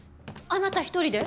あなた一人で？